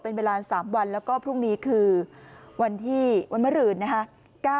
เป็นเวลา๓วันแล้วก็พรุ่งนี้คือวันที่วันมรืนนะคะ